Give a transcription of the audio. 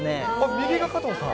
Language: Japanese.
右が加藤さん？